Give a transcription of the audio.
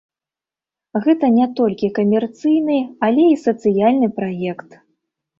Гэта не толькі камерцыйны, але і сацыяльны праект.